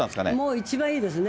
一番いいですね。